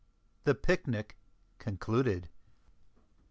THE PICNIC CONCLUDED.